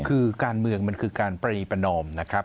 คือการเมืองมันคือการปรีประนอมนะครับ